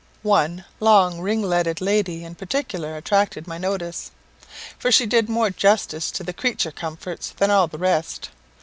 One long ringletted lady in particular attracted my notice, for she did more justice to the creature comforts than all the rest.